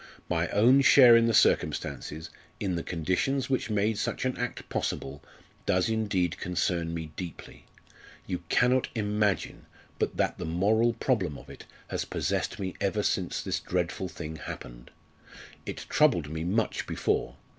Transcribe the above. My own share in the circumstances, in the conditions which made such an act possible does indeed concern me deeply. You cannot imagine but that the moral problem of it has possessed me ever since this dreadful thing happened. It troubled me much before.